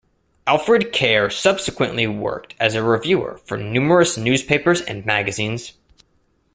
Alfred Kerr subsequently worked as a reviewer for numerous newspapers and magazines.